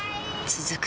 続く